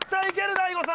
大悟さん。